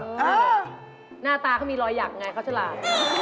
หน้าตาเขามีรอยหยักไงเขาฉลาด